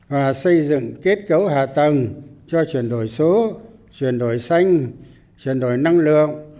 và xây dựng kết cấu hạ tầng cho chuyển đổi số chuyển đổi xanh chuyển đổi năng lượng